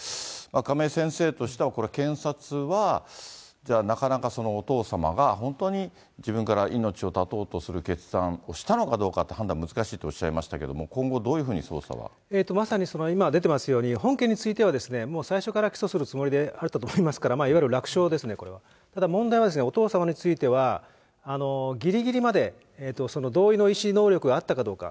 亀井先生としては、これ、検察は、じゃあなかなかお父様が本当に自分から命を絶とうとする決断をしたのかどうかという判断難しいとおっしゃいましたけど、今後どうまさにその今出ていますように、本件については、もう最初から起訴するつもりであると思いますから、いわゆる楽勝ですね、これは。ただ問題は、お父様については、ぎりぎりまで同意の意思能力があったかどうか。